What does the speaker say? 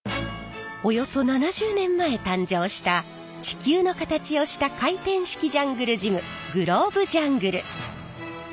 およそ７０年前誕生した地球の形をした回転式ジャングルジムグローブジャングル。